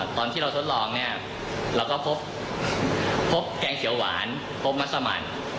ตอนที่เราทดลองเนี่ยเราก็พบแกงเขียวหวานพบมัสมัน